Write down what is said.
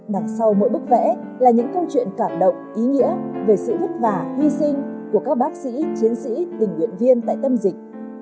đằng sau mỗi bức vẽ là những câu chuyện cảm động ý nghĩa về sự vất vả hy sinh của các bác sĩ chiến sĩ tình nguyện viên tại tâm dịch